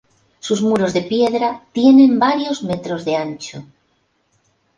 Sus muros de piedra tienen varios metros de ancho.